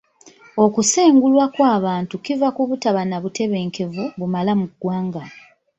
Okusengulwa kw'abantu kiva ku butaba na butebenkevu bumala mu ggwanga.